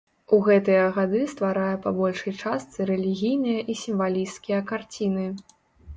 У гэтыя гады стварае па большай частцы рэлігійныя і сімвалісцкія карціны.